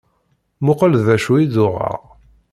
Mmuqqel d acu i d-uɣeɣ.